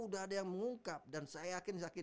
udah ada yang mengungkap dan saya aja pasti terima gitu kan